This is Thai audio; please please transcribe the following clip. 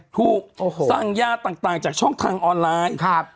ถูกสั่งยาต่างจากช่องทางออนไลน์